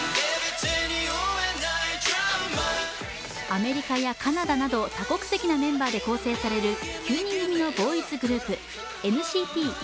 アメリカやカナダなど多国籍なメンバーで構成される９人組のボーイズグループＮＣＴ１２７。